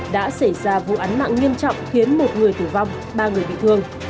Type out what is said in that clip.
đã xảy ra vụ án mạng nghiêm trọng khiến một người tử vong ba người bị thương